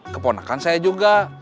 keponakan saya juga